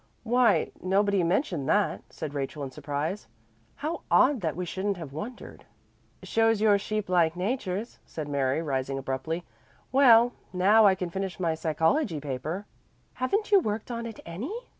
"Why, nobody mentioned that," said Rachel in surprise. "How odd that we shouldn't have wondered!" "Shows your sheep like natures," said Mary, rising abruptly. "Well, now I can finish my psychology paper." "Haven't you worked on it any?"